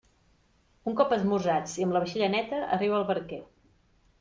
Un cop esmorzats i amb la vaixella neta, arriba el barquer.